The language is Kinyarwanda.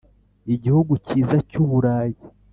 igihugu cyiza cy’uburayi.